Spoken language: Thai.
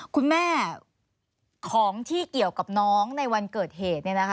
คุณแม่ของที่เกี่ยวกับน้องในวันเกิดเหตุ